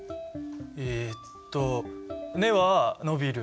えっと根は伸びる。